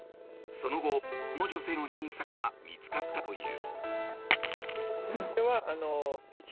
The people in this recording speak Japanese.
その後、この女性の入院先は見つかったという。